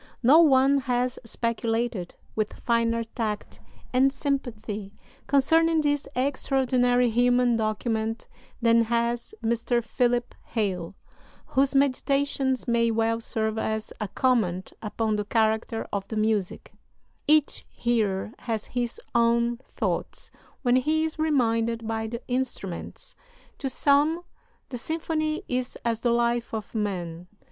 No one has speculated with finer tact and sympathy concerning this extraordinary human document than has Mr. Philip Hale, whose meditations may well serve as a comment upon the character of the music: "Each hearer has his own thoughts when he is 'reminded by the instruments.' To some this symphony is as the life of man.